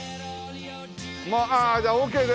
ああじゃあオーケーです。